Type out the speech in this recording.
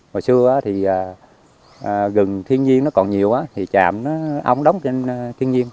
ngày xưa thì gừng thiên nhiên nó còn nhiều thì chạm nó ong đóng trên thiên nhiên